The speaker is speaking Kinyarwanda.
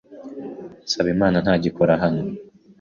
Nsabimana ntagikora hano.